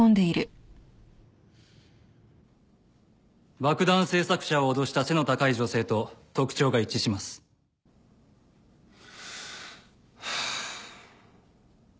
爆弾製作者を脅した背の高い女性と特徴が一致しますハァ。